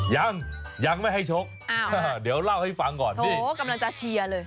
ยังยังไม่ให้ชกเดี๋ยวเล่าให้ฟังก่อนนี่โอ้กำลังจะเชียร์เลย